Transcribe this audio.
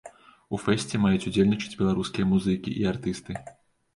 У фэсце маюць удзельнічаць беларускія музыкі і артысты.